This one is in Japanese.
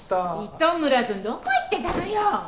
糸村くんどこ行ってたのよ！